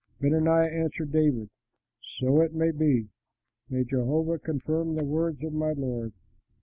Benaiah answered David, "So may it be! May Jehovah confirm the words of my lord.